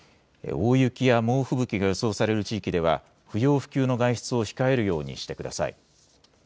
大雪や猛吹雪が予想される地域では、不要不急の外出を控えるようにしてください。